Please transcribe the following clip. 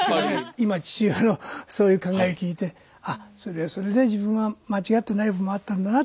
今父親のそういう考え聞いてあそれはそれで自分は間違ってない部分もあったんだなって